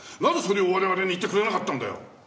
なぜそれを我々に言ってくれなかったんだよ！